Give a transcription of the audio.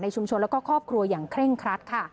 ในชุมชนและคอบครัวอย่างเคร่งครัด